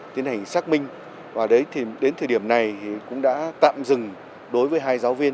tiến hành xác minh và đến thời điểm này thì cũng đã tạm dừng đối với hai giáo viên